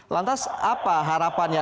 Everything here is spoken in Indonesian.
lantas apa harapannya